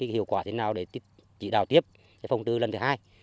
hiệu quả thế nào để chỉ đào tiếp phong trư lần thứ hai